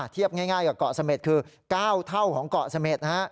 เทียบง่ายกับเกาะเสม็ดคือ๙เท่าของเกาะเสม็ด